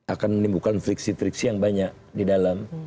akan menimbulkan fliksi fliksi yang banyak di dalam